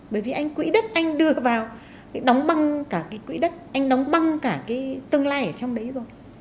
bởi vì anh quỹ đất anh đưa vào đóng băng cả cái quỹ đất anh đóng băng cả cái tương lai ở trong đấy rồi